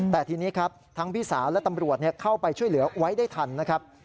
แต่ทีนี้ครับทั้งพี่สาวและตำรวจเข้าไปช่วยเหลือไว้ได้ทันนะครับ